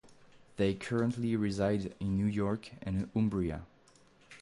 They currently reside in New York and Umbria.